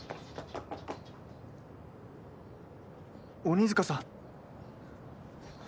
鬼塚さん！